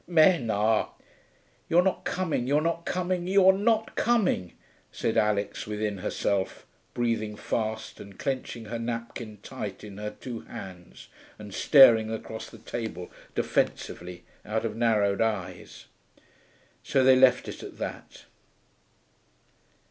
Men are ...' 'You're not coming, you're not coming, you're not coming,' said Alix within herself, breathing fast and clenching her napkin tight in her two hands and staring across the table defensively out of narrowed eyes. So they left it at that.